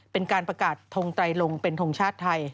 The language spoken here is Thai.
เป็นการประกาศทงไตรลงเป็นทงชาติไทย